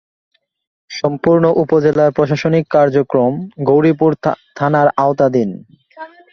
সম্পূর্ণ উপজেলার প্রশাসনিক কার্যক্রম গৌরীপুর থানার আওতাধীন।